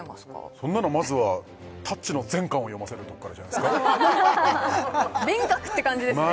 そんなのまずは「タッチ」の全巻を読ませるとこからじゃないすか勉学って感じですね